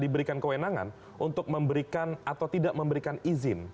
diberikan kewenangan untuk memberikan atau tidak memberikan izin